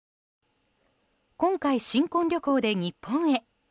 今回、新婚旅行で日本へ。